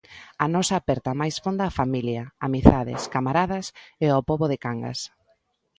A nosa aperta máis fonda á familia, amizades, camaradas e ao pobo de Cangas.